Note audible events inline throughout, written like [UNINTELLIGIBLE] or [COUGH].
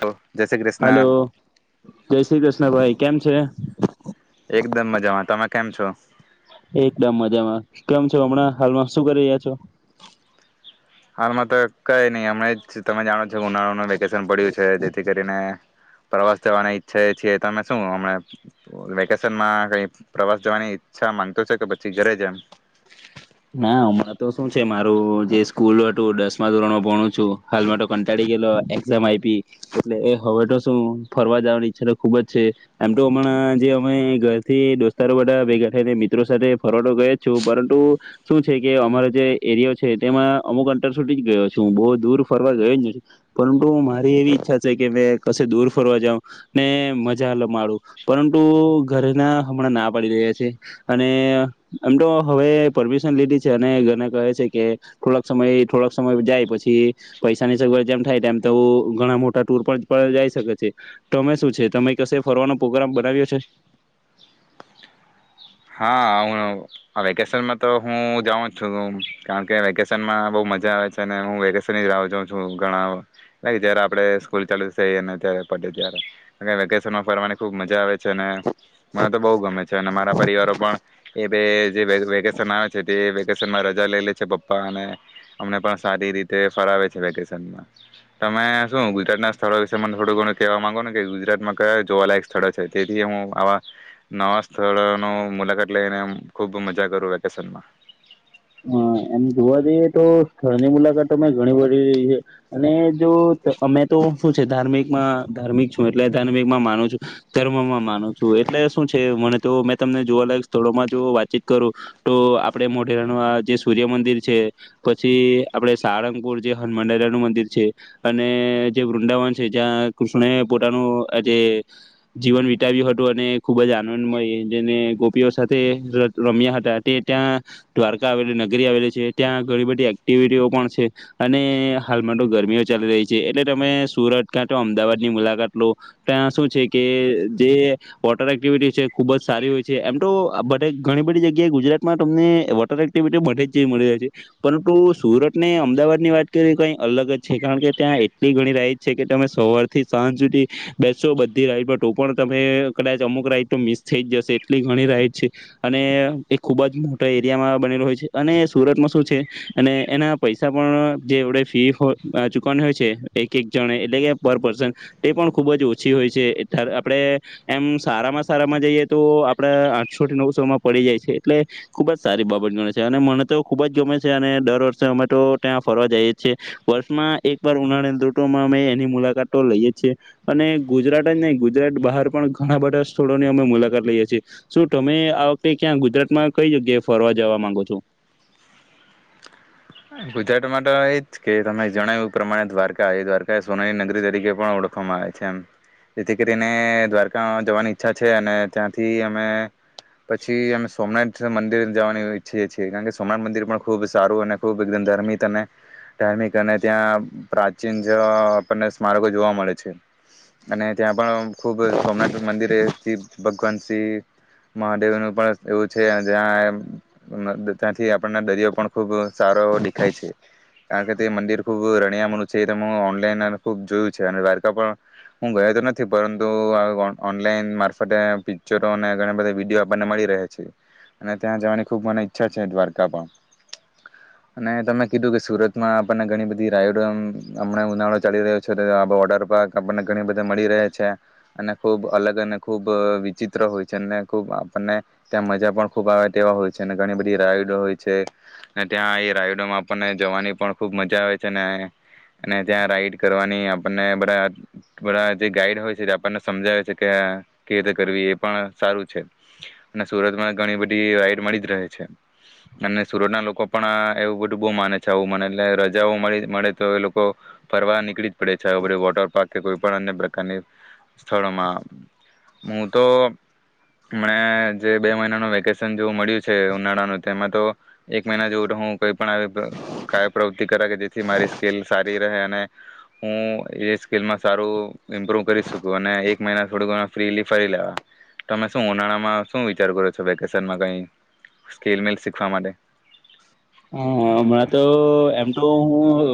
હ જય શ્રી હલોલો કૃષ્ણ જય શ્રી કૃષ્ણ. ભાઈ કેમ છે? એકદમ મજામાં તમે કેમ છો? એકદમ મજામાં. કેમ છો હમણાં હાલમાં શું કરી રહ્યા છો? હાલમાં તો કઈ નહી હમણા જ તમે જાણો છો. ઉનાળ ને વેકેશન પડ્યું છે. તેથી કરીને પ્રવાસ જવાની ઈચ્છા છીએ, તમે શુંમ વેકેશનમાં ક પ્રવાસ જવાની ઈચ્છા માંગતો છે, કે પછી ઘરે જે એમ ના હમણાં તો શું છે. મારું જે સ્કૂલ હતું દસમા ધોરણમાં ભણું છું હાલમાં તો કંટાળી ગયેલો એઝામ આપી એટલે હવે તો શું ફરવા જવાની ઈચ્છા તો ખુબ જ છે. એમ તો હમણાં જે અમે ઘરથી દોસ્તો બા ભેગા થને મિત્રો સાથે ફરવા તો ગયા છું, પરંતુ શું છે કે અમારો જે એરિયો છે. તેમાં અમુક અંતર સુટી જ ગયો છું, હું બહુ દૂર ફરવા ગયો જ ન છું, પરંતુ મારી એવી ઈચ્છા છે કે કશે દૂર ફરવા જાવ ને મજા માડું પરંતુ ઘરે ના હમણાં ના પાડી રહ્યા છે. અને એમ તો હવે પર લીધી છે અને ઘને કહે છે, કે થોડાક સમય થોડાક સમય જાય પછી. પૈસાની સગવડ જેમ થાય તેમ તો ઘણા મોટા ટુર પણ જાય શકે છે, તમે શું છે તમે કશે ફરવાનો પ્રગ્રામ બનાવ્યો છે? હા હું વેકેશનમાં તો હું જાઉં જ છું, કારણ કે વેકેશનમાં બહુ મજા આવે છે, અને હું વેકેશન જ જાઉં છું ઘણા લક જયારે આપણે સ્કૂલ ચાલુ થઈને. ત્યારે પડે ત્યારે વેકેશનમાં ફરવાની ખુબ મજા આવે છે. છે ને મને તો બહુ ગમે છે. અને મારા પણ એ જે વેકેશન આવે છે. તે વેશનમાં રજા લઈ લે છે. પપ્પા અને અમને પણ સારી રીતે ફરાવે છે. વેકેશનમાં તમે શું ગુજરાત ના સ્થળો વિશે થોડું ઘણું કેવા માંગો ને કે ગુજરાતમાં કયા, જોવાલાયક સ્થળો છે. તેથી હું આવા નવા સ્થળ મુલાકાત લઈને ખુબ મજા કરું વેકેશનમાં હા, એમ જોવા જઈએ તો સ્થળની મુલાકાત મેં ઘણી વી રહી છે અને જો અમે તો શું છે ધાર્મિકમાં ધાર્મિક છું એટલે ધાર્મિકમાં માનું છું, ધર્મમાં માનું છું, એટલે શું છે મને તો મેં તમને જોવા અલાક સ્થળોમાં જો વાતચીત કરું તો આપણે મોઢે જે સૂર્યમંદિર છે, પછી આપણે સારંગપુર જે હનુમંડરયા નું મંદિર છે અને જે વૃંદાવન છે જ્યાં કૃષ્ણ પોતાનું જે જીવન વિતાવ્યું હતું અને ખુબ જ આનંદમય જેને ગોપીઓ સાથે રમ્યા હતા તે ત્યાં. દ્વારકા આવેલી નગરી આવેલી છે, ત્યાં ઘણી બધી એક્ટિવિટીઓ પણ છે અને હાલમાં તો ગરમીઓ ચાલી રહી છે, એટલે તમે સુરત ક્યાં તો અમદાવાદની મુલાકાત લો, ત્યાં શું છે કે જે વોટર એક્ટિવિટી છે ખૂબજ સારી હોય છે. એમ તો બધ ઘણી બધી જગ્યાએ ગુજરાતમાં તમને એક્ટિવિટી બધેજ જેવી મળી રહે છે, પરંતુ સુરત ને અમદાવાદની વાત કરીએ તો કંઈ અલગજ છે, કારણ કે ત્યાં એટલી ઘણી રાઈડ છે કે તમે સવારથી સાંજ સુધી બેસો બધી રાઈડ પર તો પણ તમે કદાચ અમુક રાઈડ તો મિસ થઈજ જશે, એટલી ઘણી રાઈડ છે અને એ ખૂબજ મોટા એરિયામાં બનેલું હોય છે અને સુરતમાં શું છે અને એના પૈસા પણ જે આપ ફી ચુકવાની હોય છે એક એક જણ, એટલે કે પર પર્સન એ પણ ખુબજ ઓછી હોય છે આપણે એમ સારામાં સારામાં જઈએ તો આપડા આઠસો થી નવસો માં પડી જાય છે એટલે ખુબ જ સારી બાબ [UNINTELLIGIBLE] ગમે અને મને તો ખુબજ ગમે છે અને દર વર્ષે અમે તો ત્યાં ફરવા જઈએ છીએ. વર્ષમાં એકવાર ઉનાળા દટમાં અમે એની મુલાકાત તો લઈએ છીએ અને ગુજરાત જ નઈ, ગુજરાત બહાર પણ ઘણા બધા સ્થળોની અમે મુલાકાત લઈએ છીએ, શું તમે આ વખતે ક્યાં ગુજરાતમાં કઈ જગ્યાએ ફરવા? જવા માંગો છો? ગુજરાતમાં તો એજ કે તમે જણાવ્યું. પ્રમાણે દ્વારકા એ દ્વારકા એ સોનાની નગરી તરીકે પણ ઓળખવામાં આવે છે એમ, જેથી કરીને દ્વારકા જવાની ઈચ્છા છે અને ત્યાંથી અમે પછી અમે સોમનાથ મંદિર જવાની ઈચ્છે છીએ, કારણકે સોમનાથ મંદિર પણ ખુબ સારું અને ખૂબ એકદમ ધાર્મિક અને ધાર્મિક અને ત્યાં પ્રાચીન જ આપણને સ્મારકો જોવા મળે છે અને ત્યાં પણ ખૂબ સોમનાથ મંદિરેથી ભગવાન શ્રીવ મહાદેવનું પણ એવું છે, જ્યાં ત્યાંથી આપણના દરિયો પણ ખૂબ સારો એવો દેખાય છે, કારણકે તે મંદિર ખૂબ રણિયામનું છે એ ઓનલાઈન ખૂબ જોયું છે અને દ્વારકા પણ હું ગયો તો નથી, પરંતુ ઓનલાઈન મારફતે પિક્ચરો અને બધા વિડીયો આપણને મળી રહે છે અને ત્યાં જવાની ખૂબ મને ઈચ્છા છે, દ્વારકા પણ અને તમે કીધું કે સુરતમાં આપણને ઘણી બધી રાઈડ હમણાં ઉનાળો ચાલી રહ્યો છે, આ વોટર પાર્ક આપણને ઘણી બધ મળી રહે છે અને ખૂબ અલગ અને ખૂબ વિચિત્ર હોય છે અને ખૂબ આપણને ત્યાં મજા પણ ખૂબ આવે તેવા હોય છે અને ઘણી બધી રાઈડ હોય છે અને ત્યાં એ રાઈડમાં આપણને જવાની પણ ખૂબ મજા આવે છે અને ત્યાં રાઈડ કરવાની આપણને બધા બધા જે ગાઈડ હોય છે આપણને સમજાવે છે કે કે રીતે કરવી એ પણ સારું છે અને સુરતમાં ઘણી બધી રાઈડ મળી જ રહે છે અને સુરતના લોકો પણ આ એવું બધું બહુ માને છે આવું મને એટલે રજાઓ મળ મળે તો એ લોકો ફરવા નીકળી જ પડે છે બધ વોટર પાર્ક કે કોઈ પણ અન્ય પ્રકારની. સ્થળમાં. હું તો મને જે બે મહિનાનું વેકેશન જેવું મળ્યું છે ઉનાળાનું તેમાં તો એક મહિના જેવું. તો હુ કઈ પણ કંઇક પ્રવૃતિ કર કે જેથી મારી સ્કીલ સારી રહે અને હું એ સ્કીલમાં સારું ઇમ્પ્રુવ કરી શકું અને એક મહિના થોડ ફ્રી ફરી લેવામે શું ઉનાળામાં શું વિચાર કરો છો વેકેશનમાં ક સ્લલીખવા માટે. હા હમણાં તો એમ. તો હું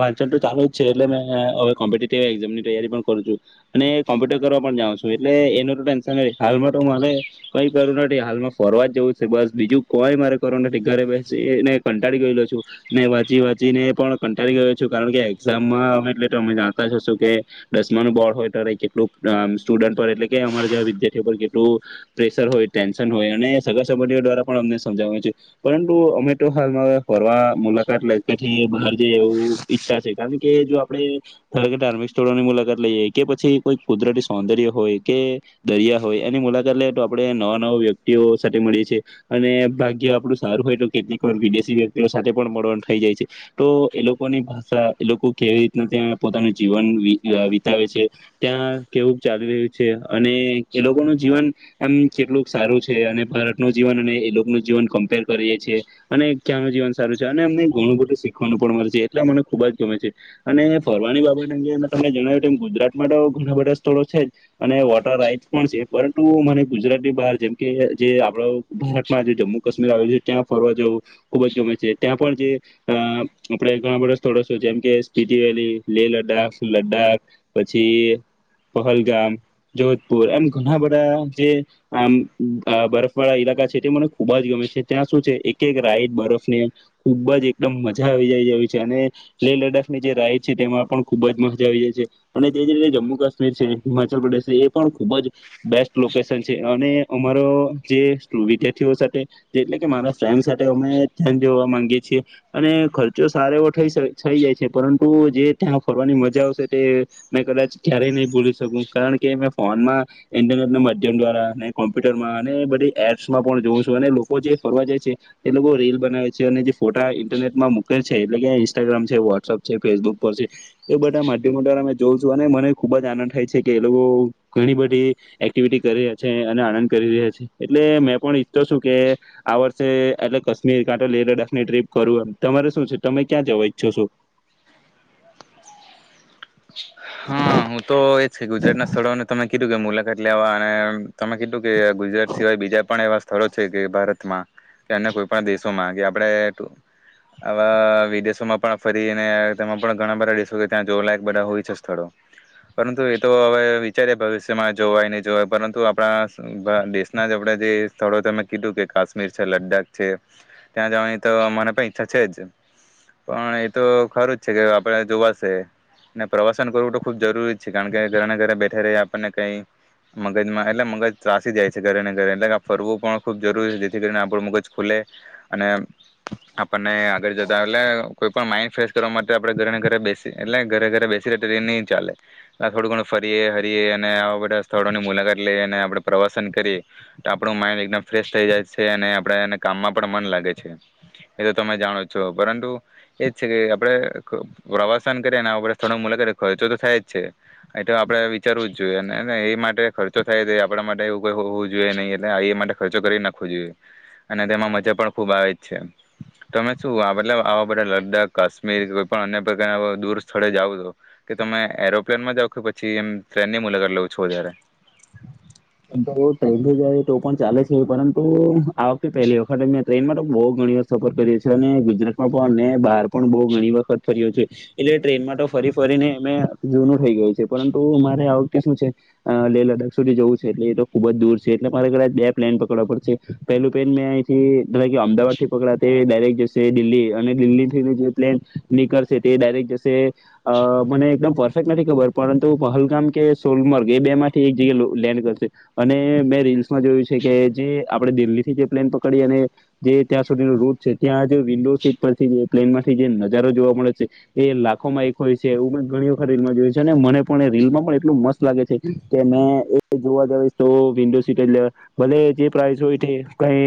વાંચન તો ચાલુ જ છે એટલે મે હવે કોમ્પટીટીવ એકઝામ ની તૈયારી પણ કરું છું અને કોમ્પ્યુટર કરવા પણ જાઉં છું એટલે એનું તો ટેન્શન ન હાલમાં તો મારે કઈ કરવું નથી હાલમાં ફરવા જવું છે બસ બીજું કોઈ મારે કરવું નથી ઘરે બેસી. કંટાળી ગયેલો છું ને વાંચી વાંચીને પણ કંટાળી ગલો છું કારણ કે એક્ઝામમાં એટલે અમે જાણતા જશું કે દસમા ન બોર્ડ હોય તો કેટલું સ્ટુડન્ટ પર એટલે કે અમારાવા વિદ્યાર્થીઓ પર કેટલું પ્રેશર હોય ટેન્શન હોય અને સગા સંબંધઓ દ્વારા અમને સમજાવે છે પરંતુ અમે. ફરવા મુલાકાત લે પથી બહાર જઈએ એવું ઈચ્છા છે કારણ કે જો આપેરે ધાર્મિક સ્થળોની મુલાકાત લઈએ કે પછી કોઈ કુદરતી સૌંદર્ય હોય કે દરિયા હોય એની મુલાકાત લઈએ તો આપડણે નવા નવા વ્યક્તિઓ સાથે મળીએ છીએ અને ભાગ્ય આપડું સારું હોય તો કેટલી. વિદેશી વ્યક્તિઓ સાથે પણ મળવાનું થઈ જાય છે તો એ લોકોની ભાષા એ લોકો કેવી રીતના ત્યાં પોતાનું જીવન વિતાવે છે ત્યાં કેવું ચાલ રહ્યું છે અને એ લોકોનું જીવન આમ કેટલુંક સારું છે અને ભારતનું જીવન અને એ લોકોનું જીવન કમ્પેર કરીએે છે. અને ક્યાંનું જીવન સારું છે અને એમને ઘણું બધું શીખવાનું પણ મળે છે એટલે મને ખૂબ જ ગમે છે અને ફરવાની બાબત અંગે અ તમને જણાવ્યું કેમ ગુજરાતમાં તો ઘણા બધા સ્થળો છે જ અને વોટર રાઈટસ પણ છે પરંતુ મને ગુજરાતીની બહાર જેમ કે જે આપણ ભારતમાં જે જમ્મુ કાશ્મીર આવ્યું છે ત્યાં ફરવા જવું. ખુબ ગમે છે ત્યાં પણ જે આપણે ઘણા બધા સ્થળો શ છેમ કે સ્પીટી વલી લેહ લદ્દાખ લદ્દાખ પછી પહલગામ જોધપુર એમ ઘણા બધા જે આમ બરફ વાળા ઈલાકા છે તે મને ખુબ જ ગમે છે ત્યાં શું છે. એક રાઈડ બરફની ખુબ જ એકદમ મજા આવી જાય છે અને લેહ લદ્દાખની જે રાઈડ છે તેમાં પણ ખુબ જ મજા આવી જાય છે અને તે જ રીતે જમ્મુ કાશ્મીર છે હિમાચલ પ્રદેશ છે એ પણ ખુબ જ બેસ્ટ લોકેશન છે અને અમારો જે વિદ્યાર્થીઓ સાથે એટલે કે મારા. ટાઈમ સાથે અમે ધ્યાન જોવા માંગીએ છીએ અને ખર્ચો સારો એવો થઈ થઈ જાય છે પરંતુ જે ત્યાં ફરવાની મજા આવશે તે મેં કદાચ ક્યારેય નહી ભૂલી શકું કારણ કે મે ફોનમાં ઇન્ટરનેટ ના માધ્યમ દ્વારા ને કોમ્પ્યુટરમાં અને બધી એપ્સમાં પણ જોઉં છું અને લોકો જે ફરવા જાય. એ લોકો રીલ બનાવે છે અને જે ફોટા ઇન્ટરનેટમાં મુકે છે એટલે કે ઇન્સ્ટાગ્રામ છે વોટ્સઅપ છે ફેસબુક પર છે એ બધા માધ્યમો દ્વારા જોઉં છું અને મને ખુબ જ આનંદ થાય છે કે એ લોકો ઘણી બધી એક્ટિવિટી કરી રહ્યા છે અને આનંદ કરી રહ્યા છે એટલે મેં પણ ઈચ્છતો છું કે આ વર્ષ. એટલે કાશ્મીર કાંતો લેહ લદ્દાખની ટ્રીપ કરું એમ તમારે શું છે તમે ક્યાં જવા ઈચ્છો છો. હા હું તો. થી ગુજરાત સ્થળોને તમે. કીધું કે મુલાકાત લેવા અને તમે કીધું. કે ગુજરાત સિવાય બીજા પણ એવા સ્થળો છે કે ભારતમાં. કે અન્ય કોઈ પણ દેશોમાં કે આપણે, આવા વિદેશોમાં પણ ફરીને તેમાં પણ ઘણા બધા દેશો ત્યાં જોવાલાય બધા હોય છે સ્થળો પરંતુ એ તો હવે વિચારી ભવિષ્યમાં જોવાય નહીં જોવાય પરંતુ આપણા દેશના જ આપણા જે સ્થળો તમે કીધું કે કાશ્મીર છે લદ્દાખ છે ત્યાં જવાની તો મને પણ ઈચ્છા છે જ પણ એ તો ખરું જ છે કે આપણે જોવાશે. અને પ્રવાસન કરવું તો ખુબ જરૂરી છે કારણ કે ઘરે ઘરે બેઠા રેયે આપણને કઈ મગજમાં એટલે મગજ ત્રાસી જાય છે ઘરે ને ઘરે એટલે આ ફરવું પણ ખૂબ જરૂરી છે જેથી કરીને આપણું મગજ ખુલે અને આપને આગળ જતા એટલે કોઈ પણ માઇન્ડ ફ્રેશ કરવા માટે આપણે ઘરેને ઘરે બેસી એટલે ઘરે ઘરે બેસી ટ્રેન નહી ચાલે થોડું ઘણું ફરીએ હરીએ અને આવા બધા સ્થળોની મુલાકાત લઈએ અને આપણે પ્રવાસન કરીએ તો આપણું માઈન્ડ એકદમ ફ્રેશ થઈ જાય છે અને આપણે એને કામમાં પણ મન લાગે છે એ તો તમે જાણો છો પરંતુ એજ છે કે આપણે પ્રવાસન ક ને આવા બધા સ્થળો મુલાકાતે ખર્ચો તો થાય જ છે એ તો આપડે વિચારવું જ જોઈએ ને એ માટે ખર્ચો થાય જ આપણા માટે એવું કોઈ હોવું જોઈએ નહી એટલે એ માટે ખર્ચો કરી નાખવો જોઈએ અને તેમાં મજા પણ ખુબ આવે જ છે તમે શું મતલબ આવા બધા લદ્દાખ કાશ્મીર કોઈ પણ અન્ય પ્રકાર દૂર સ્થળે જાવ તો કે તમે એરોપ્લેન માં જાાવ કે પછી એમ ટ્રેનની મુલાકાત લઉ છો વધારે એમ તો ટ્રેનથી જાય તો પણ ચાલે છે પરં તુ આ વખતે પહેલી વખત જ મે ટ્રેનમાં તો બહ ઘણી વખત સફર કરીયો છે અને ગુજરાતમાં પણ અને બહાર પણ બહુ ઘણી વખત ફર્યો છે એટલે ટ્રેનમાં તો ફરી ફરીને અમે જૂનું થઈ ગયું છે પરંતુ અમારે આ વખતે શું છે લેહ લદ્ખ સુધી જવું છે એટલે એ તો ખુબ જ દૂર છે એટલે મારે કદાચ બે પ્લેન પકડવા પડશે પેલું પ્લેન મેં અયથી અમદાવાદ થી પકડા તે ડાયરેક્ટ જશે દિલ્હી અને દિલ્હીથી જે પ્લેન નીકળશે તે ડાયરેક્ટ જશે અ મને એકદમ પરફેક્ટ નથી ખબર પરંતુ પહલગામ કે સોલમર્ગ એ બે માંથી એક જગ્યા લો લેન્ડ કરશે. છે અને મેં રીલસમાં જોયું છે કે જે આપેણે દિલ્હી થી જે પ્લેન પકડી અને જે ત્યાં સુધીનો રૂટ છે ત્યાં જે વિન્ડો સીટ પરથી પ્લેનમાંથી જે નજારો જોવા મળે છે એ લાખો માં એક હોય છે એવું મેં ઘણી વખત રીલમાં જોયું છે અને મને પણ રીલમાં પણ એટલું મસ્ત લાગે છે કે મેં એ જોવા જઈસ તો વિન્ડો સીટ જ લેવા ભલે જે પ્રાયસય હોય તે કઈ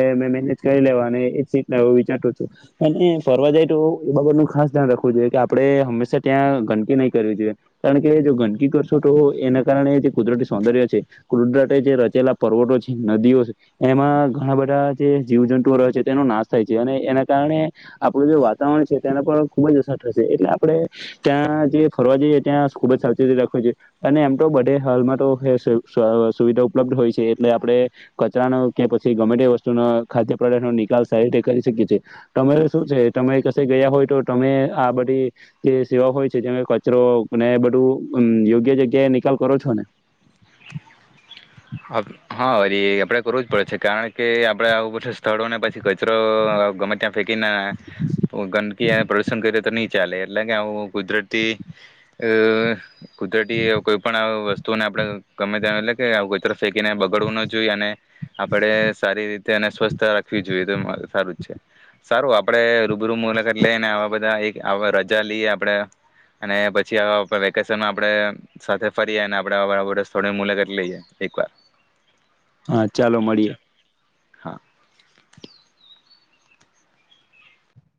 એ મેનેજ કરી લેવા અને એ જ સીટ લેવા વિચારતો છું અને ફરવા જાય તો એ બાબત ન ખાસ ધ્યાન રાખવું જોઈએ કે આપડે હંમેશા ત્યાં ગંદકી નહી કરવી જોઈએ કારણ કે જો ગંદકી કરશો તો એના કારણે જે કુદરતી સોદૅય છે કુદરતે જે રચેલા પર્વતો છે નદીઓ છે એમાં ઘણા બધા જે જીવજંતુઓ રહે છે તેનો નાશ થાય છે અને એના કારણે આપણું જે વાતાવરણ છે તેને પણ ખુબ જ અસર થશે એટલે આપણે ત્યાં જે ફરવા જઈએ ત્યાં ખુબ જ સાવચેતી રાખવી જોએ અને એમ તો બધે હાલમાં તો હસે સ અ સુવિધા ઉપલબ્ધ હોય છે એટલે આપડે કચરાનો કે પછી ગમે તે વસ્તુનો ખાદ્ય પદાર્થ નો નિકાલ સારી રીતે કરી શકીએ છે તમારે શું છે તમે કશે ગયા હોય તો તમે આ બધી જે સેવા હોય છે જે કચરો ને બધું યોગ્ય જગ્યાએ નિકાલ કરો છો ને હાપ હા વરી આપડે કરવું જ પડે છે કારણ કે આપડે આવું બધું સ્થળો ને પછી કચરો ગમે ત્યાં ફેંકીને ગંદકી પ્રદુષણ કરી તો ની ચાલે એટલે કે આવું કુદરતી અ કુદરતી કોઈ પણ વસ તો ને આપડ ગમે ત્યાં એટલે કે આવુ [UNINTELLIGIBLE] કચરો ફેકીને બગડવું ન જોઈએ અને આપડે સારી રીતે અને સ્વસ્થ રાખવી જોઈએ તો સારું જ છે સારું આપણે મુલાકાત લઇ ને આવા બધા એક આમાં રજા લઈએ આપડે અને પછી અ વેકેશનમાં આપડે સાથે ફરીએ ને આપડે આવા બધા સ્થળો મુલાકાત‌ લઈએ. એક વાર હા ચાલો મળીએે. હા.